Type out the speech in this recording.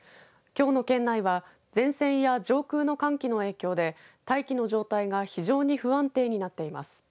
きょうの県内は前線や上空の寒気の影響で大気の状態が非常に不安定になっています。